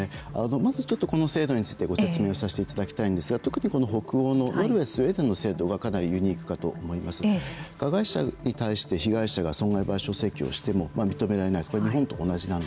まずこの制度についてご説明させていただきたいんですが特に、この北欧のノルウェースウェーデンの制度は加害者に対して被害者が損害賠償請求をしても認められない。